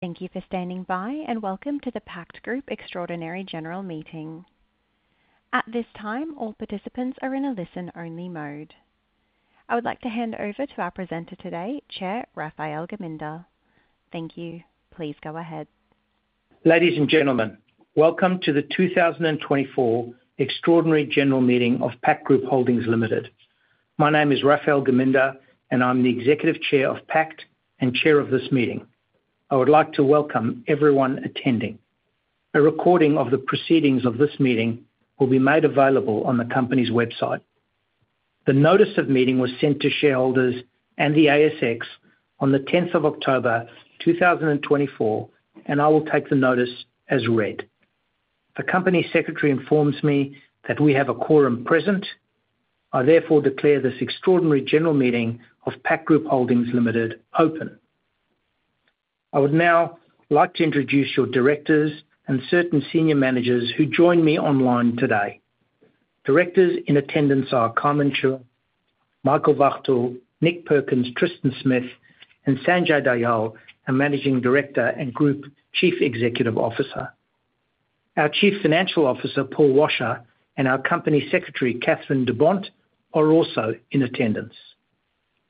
Thank you for standing by, and welcome to the Pact Group Extraordinary General Meeting. At this time, all participants are in a listen-only mode. I would like to hand over to our presenter today, Chair Raphael Geminder. Thank you. Please go ahead. Ladies and gentlemen, welcome to the 2024 Extraordinary General Meeting of Pact Group Holdings Limited. My name is Raphael Geminder, and I'm the Executive Chair of Pact and Chair of this meeting. I would like to welcome everyone attending. A recording of the proceedings of this meeting will be made available on the company's website. The notice of meeting was sent to shareholders and the ASX on the 10th of October 2024, and I will take the notice as read. The company secretary informs me that we have a quorum present. I therefore declare this Extraordinary General Meeting of Pact Group Holdings Limited open. I would now like to introduce your directors and certain senior managers who join me online today. Directors in attendance are Carmen Chua, Michael Wachtel, Nick Perkins, Tristan Smith, and Sanjay Dayal, our Managing Director and Group Chief Executive Officer. Our Chief Financial Officer, Paul Washer, and our company secretary, Kathryn de Bont, are also in attendance.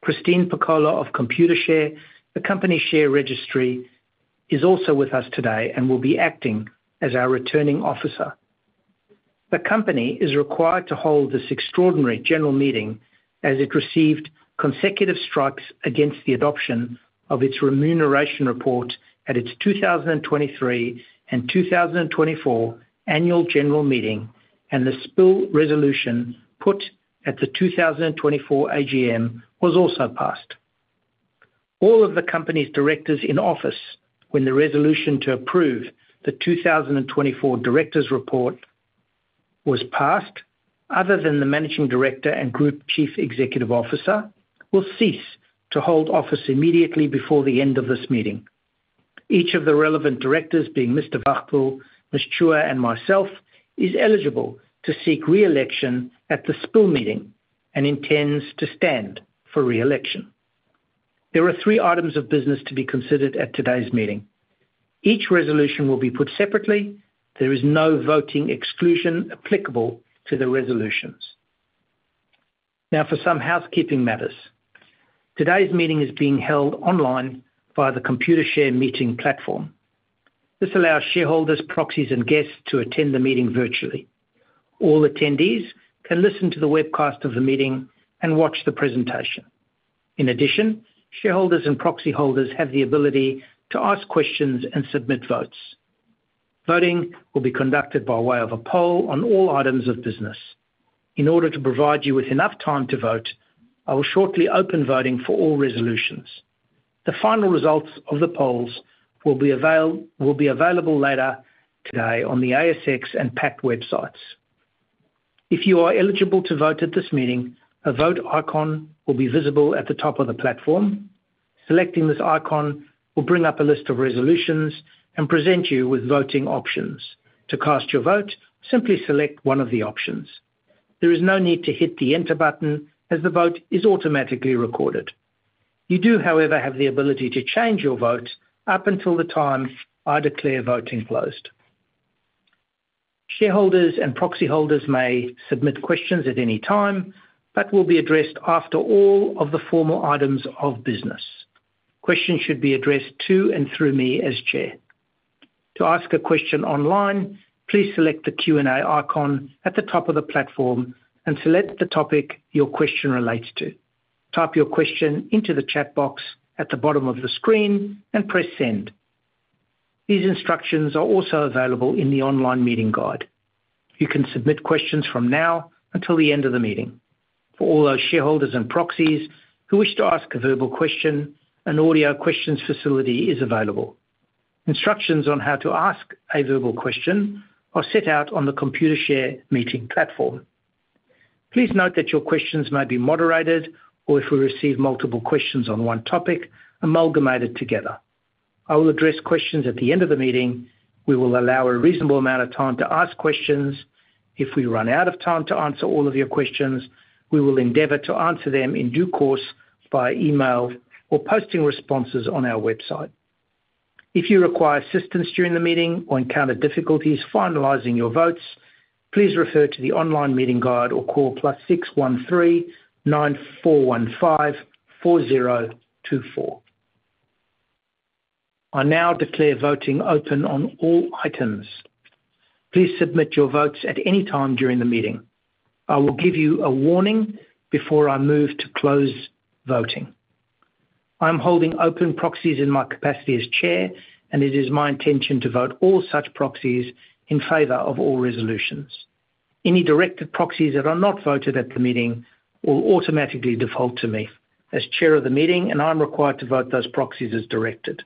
Christine Piccolo of Computershare, the company's share registry, is also with us today and will be acting as our returning officer. The company is required to hold this Extraordinary General Meeting as it received consecutive strikes against the adoption of its remuneration report at its 2023 and 2024 annual general meeting, and the spill resolution put at the 2024 AGM was also passed. All of the company's directors in office when the resolution to approve the 2024 directors' report was passed, other than the Managing Director and Group Chief Executive Officer, will cease to hold office immediately before the end of this meeting. Each of the relevant directors, being Mr. Wachtel, Ms. Chua, and myself, is eligible to seek re-election at the spill meeting and intends to stand for re-election. There are three items of business to be considered at today's meeting. Each resolution will be put separately. There is no voting exclusion applicable to the resolutions. Now, for some housekeeping matters. Today's meeting is being held online via the Computershare meeting platform. This allows shareholders, proxies, and guests to attend the meeting virtually. All attendees can listen to the webcast of the meeting and watch the presentation. In addition, shareholders and proxy holders have the ability to ask questions and submit votes. Voting will be conducted by way of a poll on all items of business. In order to provide you with enough time to vote, I will shortly open voting for all resolutions. The final results of the polls will be available later today on the ASX and Pact websites. If you are eligible to vote at this meeting, a vote icon will be visible at the top of the platform. Selecting this icon will bring up a list of resolutions and present you with voting options. To cast your vote, simply select one of the options. There is no need to hit the enter button as the vote is automatically recorded. You do, however, have the ability to change your vote up until the time I declare voting closed. Shareholders and proxy holders may submit questions at any time, but will be addressed after all of the formal items of business. Questions should be addressed to and through me as Chair. To ask a question online, please select the Q&A icon at the top of the platform and select the topic your question relates to. Type your question into the chat box at the bottom of the screen and press send. These instructions are also available in the online meeting guide. You can submit questions from now until the end of the meeting. For all those shareholders and proxies who wish to ask a verbal question, an audio questions facility is available. Instructions on how to ask a verbal question are set out on the Computershare meeting platform. Please note that your questions may be moderated or, if we receive multiple questions on one topic, amalgamated together. I will address questions at the end of the meeting. We will allow a reasonable amount of time to ask questions. If we run out of time to answer all of your questions, we will endeavor to answer them in due course by email or posting responses on our website. If you require assistance during the meeting or encounter difficulties finalizing your votes, please refer to the online meeting guide or call +613 9415 4024. I now declare voting open on all items. Please submit your votes at any time during the meeting. I will give you a warning before I move to close voting. I am holding open proxies in my capacity as Chair, and it is my intention to vote all such proxies in favor of all resolutions. Any directed proxies that are not voted at the meeting will automatically default to me. As Chair of the meeting, I am required to vote those proxies as directed.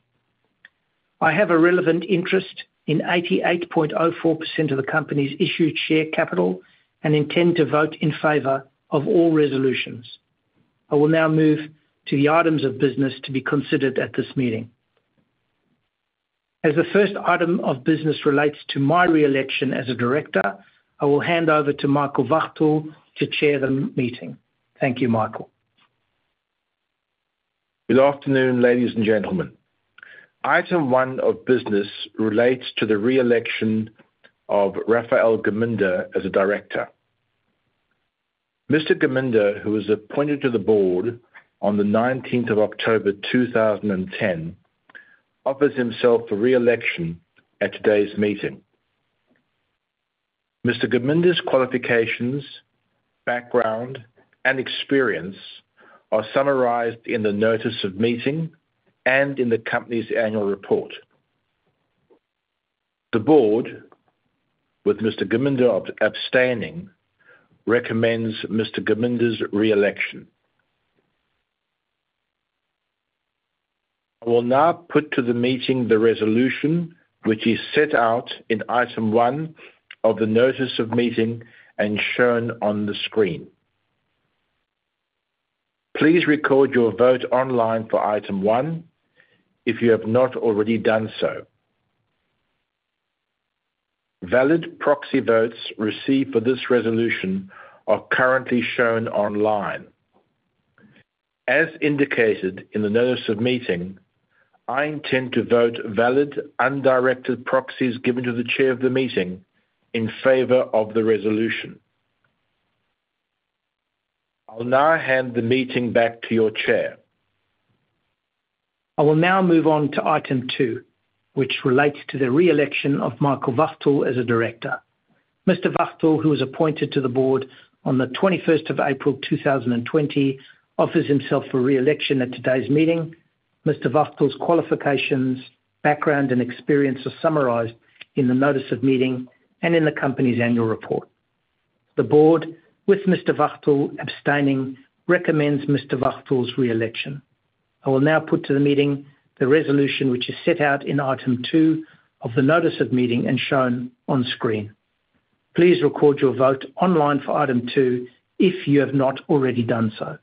I have a relevant interest in 88.04% of the company's issued share capital and intend to vote in favor of all resolutions. I will now move to the items of business to be considered at this meeting. As the first item of business relates to my re-election as a director, I will hand over to Michael Wachtel, Chair of the meeting. Thank you, Michael. Good afternoon, ladies and gentlemen. Item one of business relates to the re-election of Raphael Geminder as a director. Mr. Geminder, who was appointed to the board on the 19th of October 2010, offers himself for re-election at today's meeting. Mr. Geminder's qualifications, background, and experience are summarized in the notice of meeting and in the company's annual report. The board, with Mr. Geminder abstaining, recommends Mr. Geminder's re-election. I will now put to the meeting the resolution which is set out in item one of the notice of meeting and shown on the screen. Please record your vote online for item one if you have not already done so. Valid proxy votes received for this resolution are currently shown online. As indicated in the notice of meeting, I intend to vote valid undirected proxies given to the Chair of the meeting in favor of the resolution. I'll now hand the meeting back to your Chair. I will now move on to item two, which relates to the re-election of Michael Wachtel as a director. Mr. Wachtel, who was appointed to the board on the 21st of April 2020, offers himself for re-election at today's meeting. Mr. Wachtel's qualifications, background, and experience are summarized in the notice of meeting and in the company's annual report. The board, with Mr. Wachtel abstaining, recommends Mr. Wachtel's re-election. I will now put to the meeting the resolution which is set out in item two of the notice of meeting and shown on screen. Please record your vote online for item two if you have not already done so.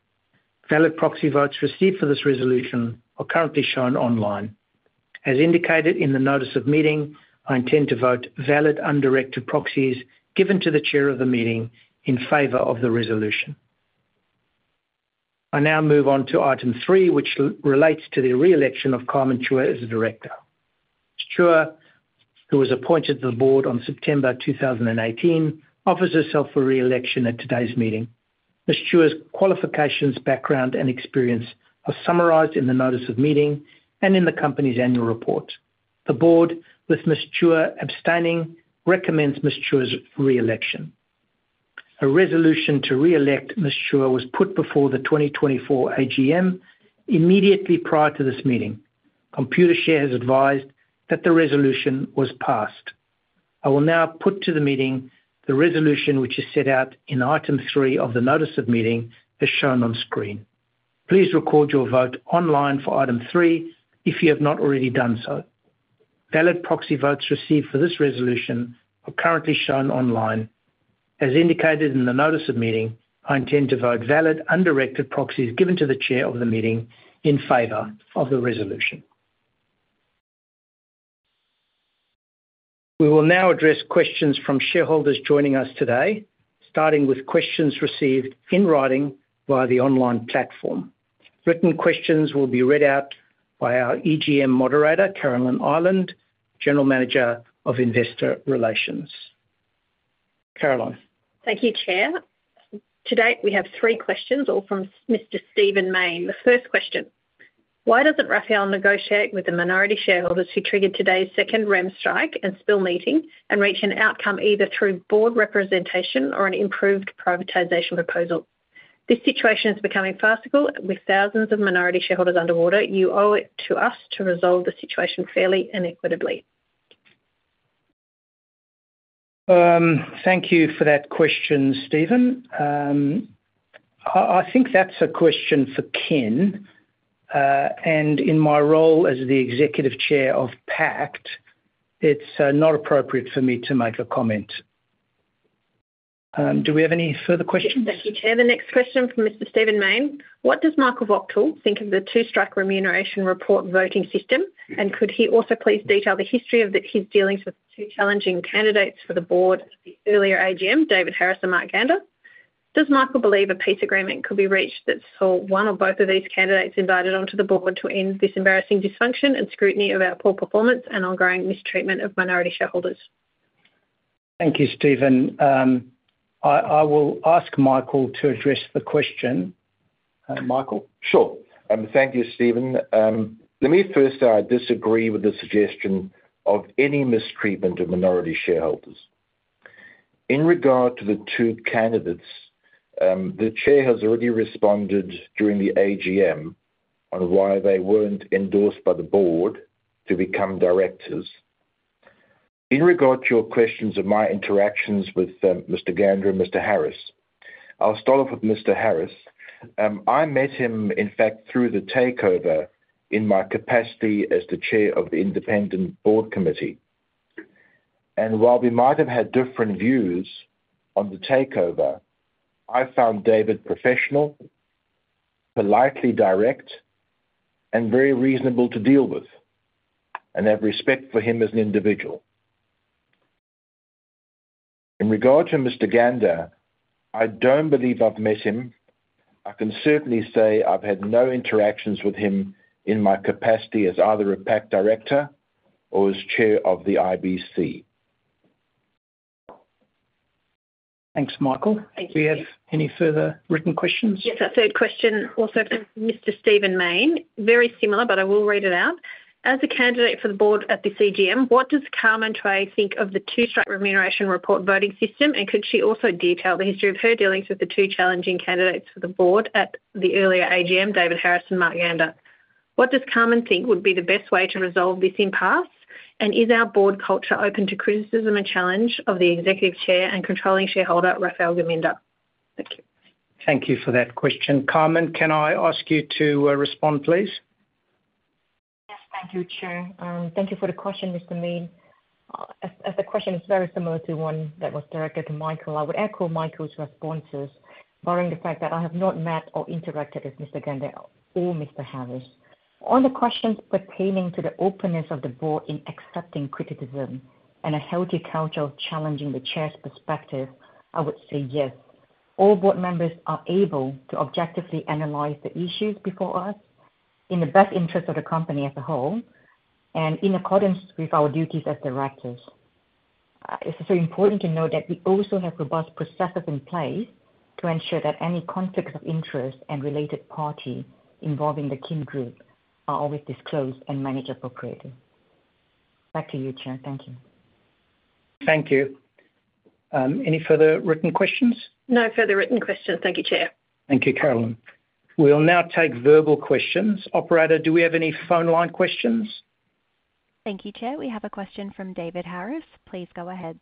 Valid proxy votes received for this resolution are currently shown online. As indicated in the notice of meeting, I intend to vote valid undirected proxies given to the Chair of the meeting in favor of the resolution. I now move on to item three, which relates to the re-election of Carmen Chua as a director. Ms. Chua, who was appointed to the board on September 2018, offers herself for re-election at today's meeting. Ms. Chua's qualifications, background, and experience are summarized in the notice of meeting and in the company's annual report. The board, with Ms. Chua abstaining, recommends Ms. Chua's re-election. A resolution to re-elect Ms. Chua was put before the 2024 AGM immediately prior to this meeting. Computershare has advised that the resolution was passed. I will now put to the meeting the resolution which is set out in item three of the notice of meeting as shown on screen. Please record your vote online for item three if you have not already done so. Valid proxy votes received for this resolution are currently shown online. As indicated in the notice of meeting, I intend to vote valid undirected proxies given to the Chair of the meeting in favor of the resolution. We will now address questions from shareholders joining us today, starting with questions received in writing via the online platform. Written questions will be read out by our EGM moderator, Carolyn Ireland, General Manager of Investor Relations. Carolyn. Thank you, Chair. To date, we have three questions, all from Mr. Stephen Mayne. The first question: Why doesn't Raphael negotiate with the minority shareholders who triggered today's second rem strike and spill meeting and reach an outcome either through board representation or an improved privatization proposal? This situation is becoming farcical with thousands of minority shareholders underwater. You owe it to us to resolve the situation fairly and equitably. Thank you for that question, Stephen. I think that's a question for Kin, and in my role as the Executive Chair of Pact, it's not appropriate for me to make a comment. Do we have any further questions? Thank you, Chair. The next question from Mr. Stephen Mayne: What does Michael Wachtel think of the two-strike remuneration report voting system, and could he also please detail the history of his dealings with two challenging candidates for the board at the earlier AGM, David Harris and Mark Gandur? Does Michael believe a peace agreement could be reached that saw one or both of these candidates invited onto the board to end this embarrassing dysfunction and scrutiny of our poor performance and ongoing mistreatment of minority shareholders? Thank you, Stephen. I will ask Michael to address the question. Michael? Sure. Thank you, Stephen. Let me first disagree with the suggestion of any mistreatment of minority shareholders. In regard to the two candidates, the Chair has already responded during the AGM on why they weren't endorsed by the board to become directors. In regard to your questions of my interactions with Mr. Gandur and Mr. Harris, I'll start off with Mr. Harris. I met him, in fact, through the takeover in my capacity as the Chair of the Independent Board Committee. And while we might have had different views on the takeover, I found David professional, politely direct, and very reasonable to deal with, and have respect for him as an individual. In regard to Mr. Gandur, I don't believe I've met him. I can certainly say I've had no interactions with him in my capacity as either a Pact Director or as Chair of the IBC. Thanks, Michael. Do we have any further written questions? Yes, a third question also from Mr. Stephen Mayne. Very similar, but I will read it out. As a candidate for the board at this AGM, what does Carmen Chua think of the two-strike remuneration report voting system, and could she also detail the history of her dealings with the two challenging candidates for the board at the earlier AGM, David Harris and Mark Gandur? What does Carmen Chua think would be the best way to resolve this impasse? And is our board culture open to criticism and challenge of the Executive Chair and controlling shareholder, Raphael Geminder? Thank you. Thank you for that question. Carmen, can I ask you to respond, please? Yes, thank you, Chair. Thank you for the question, Mr. Mayne. As the question is very similar to one that was directed to Michael, I would echo Michael's responses, barring the fact that I have not met or interacted with Mr. Gandur or Mr. Harris. On the questions pertaining to the openness of the board in accepting criticism and a healthy culture of challenging the Chair's perspective, I would say yes. All board members are able to objectively analyze the issues before us in the best interest of the company as a whole and in accordance with our duties as directors. It's also important to note that we also have robust processes in place to ensure that any conflicts of interest and related parties involving the Kin Group are always disclosed and managed appropriately. Back to you, Chair. Thank you. Thank you. Any further written questions? No further written questions. Thank you, Chair. Thank you, Caroline. We'll now take verbal questions. Operator, do we have any phone line questions? Thank you, Chair. We have a question from David Harris. Please go ahead.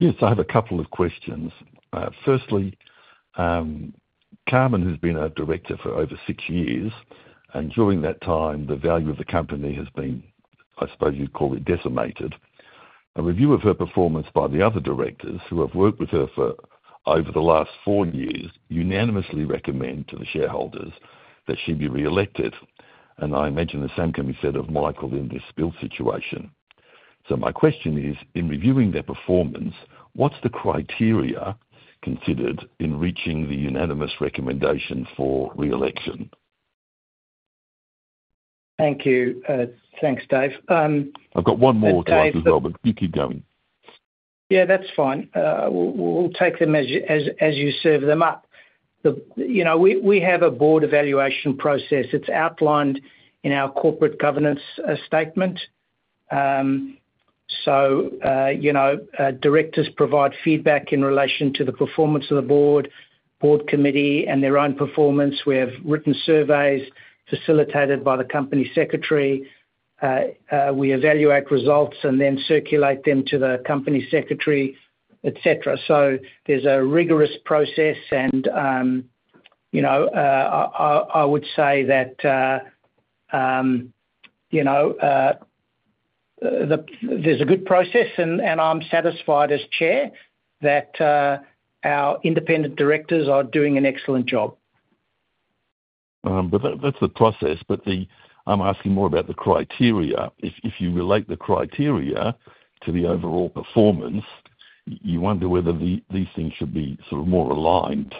Yes, I have a couple of questions. Firstly, Carmen has been our director for over six years, and during that time, the value of the company has been, I suppose you'd call it, decimated. A review of her performance by the other directors who have worked with her over the last four years unanimously recommend to the shareholders that she be re-elected, and I imagine the same can be said of Michael in this spill situation. So my question is, in reviewing their performance, what's the criteria considered in reaching the unanimous recommendation for re-election? Thank you. Thanks, Dave. I've got one more to ask as well, but you keep going. Yeah, that's fine. We'll take them as you serve them up. We have a board evaluation process. It's outlined in our corporate governance statement. So directors provide feedback in relation to the performance of the board, board committee, and their own performance. We have written surveys facilitated by the company secretary. We evaluate results and then circulate them to the company secretary, etc. So there's a rigorous process, and I would say that there's a good process, and I'm satisfied as Chair that our independent directors are doing an excellent job. But that's the process, but I'm asking more about the criteria. If you relate the criteria to the overall performance, you wonder whether these things should be sort of more aligned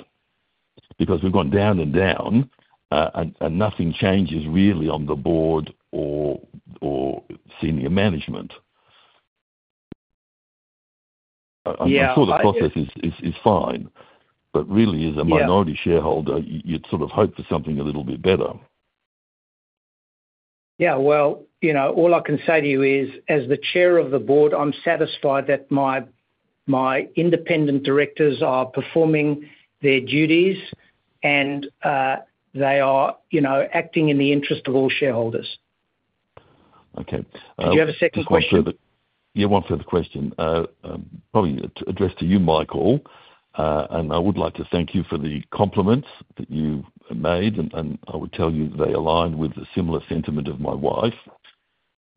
because we've gone down and down, and nothing changes really on the board or senior management. I'm sure the process is fine, but really, as a minority shareholder, you'd sort of hope for something a little bit better. Yeah, well, all I can say to you is, as the Chair of the Board, I'm satisfied that my independent directors are performing their duties, and they are acting in the interest of all shareholders. Okay. Did you have a second question? Yeah, one further question, probably addressed to you, Michael, and I would like to thank you for the compliments that you made, and I would tell you they align with the similar sentiment of my wife.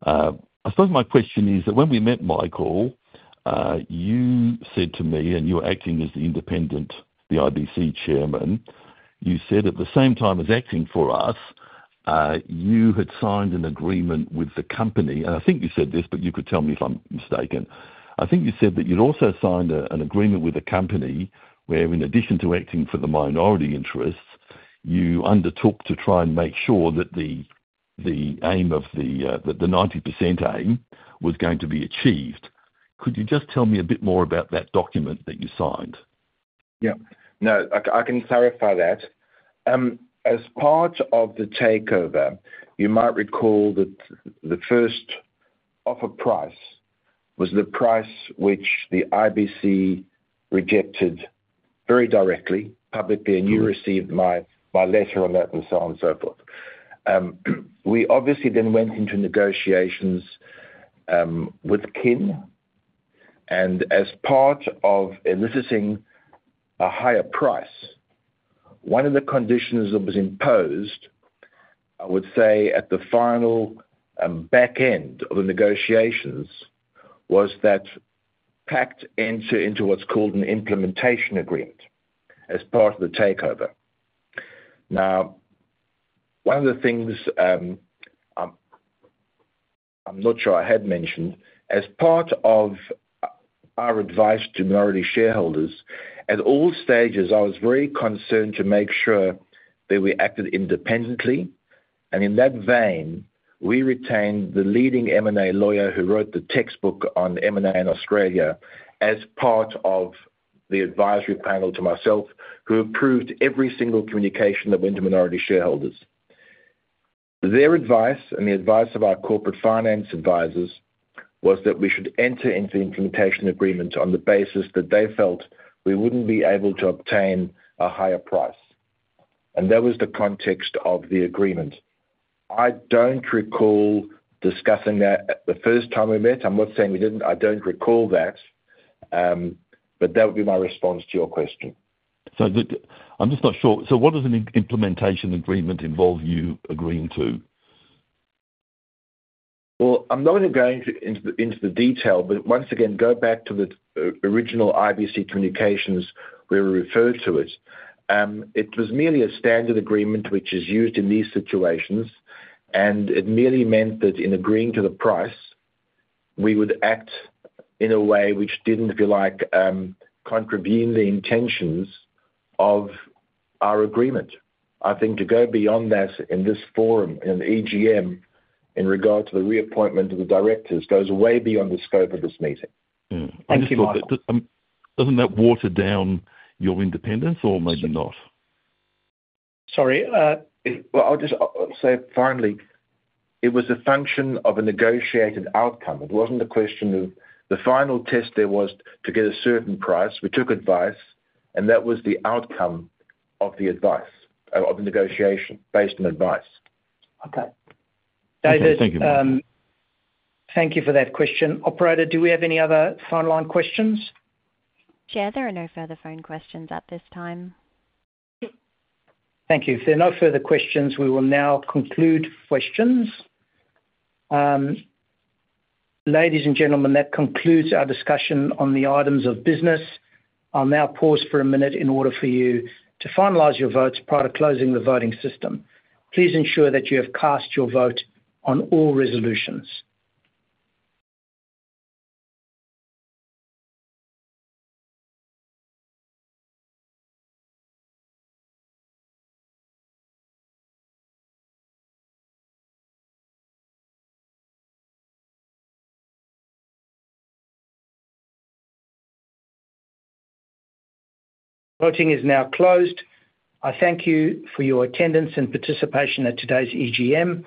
I suppose my question is that when we met, Michael, you said to me, and you were acting as the independent, the IBC chairman, you said at the same time as acting for us, you had signed an agreement with the company. And I think you said this, but you could tell me if I'm mistaken. I think you said that you'd also signed an agreement with the company where, in addition to acting for the minority interests, you undertook to try and make sure that the aim of the 90% aim was going to be achieved. Could you just tell me a bit more about that document that you signed? Yeah. No, I can clarify that. As part of the takeover, you might recall that the first offer price was the price which the IBC rejected very directly, publicly, and you received my letter on that and so on and so forth. We obviously then went into negotiations with Kin, and as part of eliciting a higher price, one of the conditions that was imposed, I would say at the final back end of the negotiations, was that Pact entered into what's called an implementation agreement as part of the takeover. Now, one of the things I'm not sure I had mentioned, as part of our advice to minority shareholders, at all stages, I was very concerned to make sure that we acted independently. In that vein, we retained the leading M&A lawyer who wrote the textbook on M&A in Australia as part of the advisory panel to myself, who approved every single communication that went to minority shareholders. Their advice and the advice of our corporate finance advisors was that we should enter into the implementation agreement on the basis that they felt we wouldn't be able to obtain a higher price. That was the context of the agreement. I don't recall discussing that the first time we met. I'm not saying we didn't. I don't recall that, but that would be my response to your question. So I'm just not sure. So what does an Implementation Agreement involve you agreeing to? I'm not going to go into the detail, but once again, go back to the original IBC communications where we referred to it. It was merely a standard agreement which is used in these situations, and it merely meant that in agreeing to the price, we would act in a way which didn't feel like contravening the intentions of our agreement. I think to go beyond that in this forum, in the AGM, in regard to the reappointment of the directors, goes way beyond the scope of this meeting. Thank you, Michael. Doesn't that water down your independence, or maybe not? Sorry. I'll just say finally, it was a function of a negotiated outcome. It wasn't a question of the final test there was to get a certain price. We took advice, and that was the outcome of the advice, of the negotiation, based on advice. Okay. Thank you, Michael. Thank you for that question. Operator, do we have any other phone line questions? Chair, there are no further phone questions at this time. Thank you. If there are no further questions, we will now conclude questions. Ladies and gentlemen, that concludes our discussion on the items of business. I'll now pause for a minute in order for you to finalize your votes prior to closing the voting system. Please ensure that you have cast your vote on all resolutions. Voting is now closed. I thank you for your attendance and participation at today's AGM.